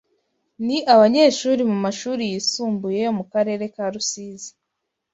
ni abanyeshuri mu mashuri yisumbuye yo mu karere ka Rusizi